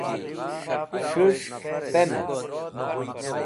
s̃hushk pemac